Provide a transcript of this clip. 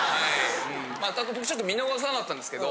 僕ちょっと見逃さなかったんですけど。